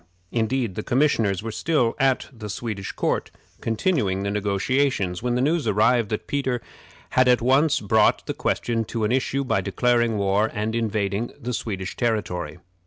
Indeed, the commissioners were still at the Swedish court, continuing the negotiations, when the news arrived that Peter had at once brought the question to an issue by declaring war and invading the Swedish territory.